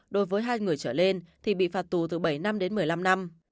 đối với hai người trở lên thì bị phạt tù từ bảy năm đến một mươi năm năm